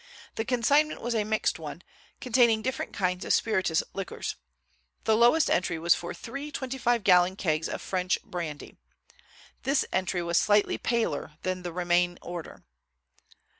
The consignment was a mixed one, containing different kinds of spirituous liquors. The lowest entry was for three twenty five gallon kegs of French brandy. This entry was slightly paler than the remain order.